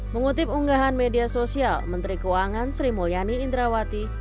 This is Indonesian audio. mengutip unggahan media sosial menteri keuangan sri mulyani indrawati